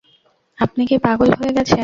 আপনি কি পাগল হয়ে গেছেন?